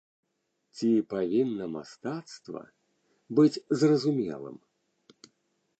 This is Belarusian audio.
Ці павінна мастацтва быць зразумелым?